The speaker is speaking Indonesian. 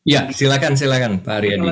ya silakan silakan pak ariyadi